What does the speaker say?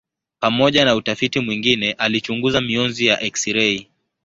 Pamoja na utafiti mwingine alichunguza mionzi ya eksirei.